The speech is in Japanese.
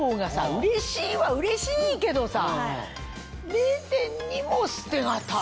うれしいはうれしいけどさ０．２も捨てがたい。